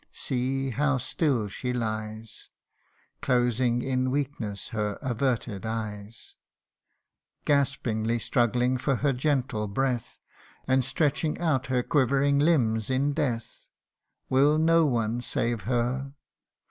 See, how still she lies, Closing in weakness her averted eyes : Gaspingly struggling for her gentle breath And stretching out her quivering limbs in death ! CANTO TIL 1 1 1 Will no one save her